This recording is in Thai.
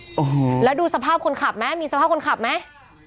โอ้โหแล้วดูสภาพคนขับไหมมีสภาพคนขับไหม